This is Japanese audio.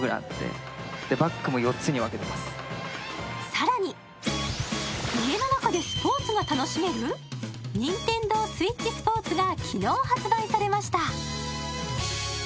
更に家の中でスポーツが楽しめる「ＮｉｎｔｅｎｄｏＳｗｉｔｃｈＳｐｏｒｔｓ」が昨日、発売されました。